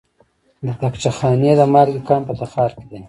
د طاقچه خانې د مالګې کان په تخار کې دی.